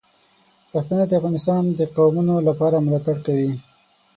پښتانه د افغانستان د قومونو لپاره ملاتړ کوي.